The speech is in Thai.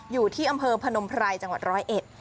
อยู่ที่อำเภอพนมไพรจังหวัดร้อยเอ็ด